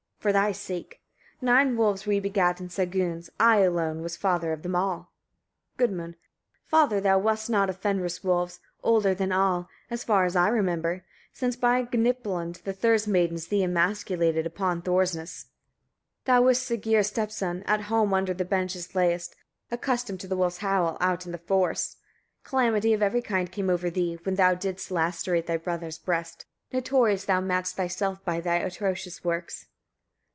for thy sake. Nine wolves we begat in Sagunes; I alone was father of them all. Gudmund. 39. Father thou wast not of Fenriswolves, older than all, as far as I remember; since by Gnipalund, the Thurs maidens thee emasculated upon Thorsnes. 40. Thou wast Siggeir's stepson, at home under the benches layest, accustomed to the wolf's howl out in the forests: calamity of every kind came over thee, when thou didst lacerate thy brother's breast. Notorious thou mad'st thyself by thy atrocious works.